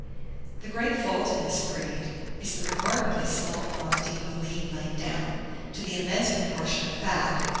The great fault in this breed is the remarkably small quantity of lean laid down, to the immense proportion of fat.